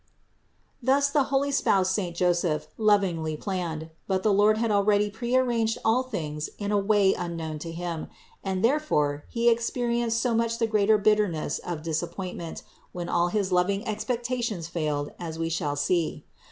Thus the holy spouse saint Joseph lovingly planned ; but the Lord had already pre arranged all things in a way unknown to him; and therefore he experienced so much the greater bitterness of disappointment when all his loving expectations failed, as we shall see.